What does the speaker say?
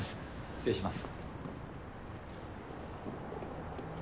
失礼します。